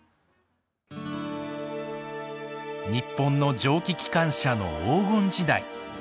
日本の蒸気機関車の黄金時代。